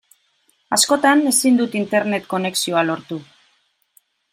Askotan ezin dut Internet konexioa lortu.